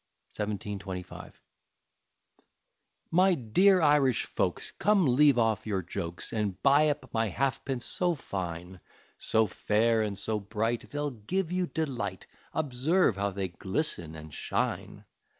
1725 My dear Irish folks, Come leave off your jokes, And buy up my halfpence so fine; So fair and so bright They'll give you delight; Observe how they glisten and shine!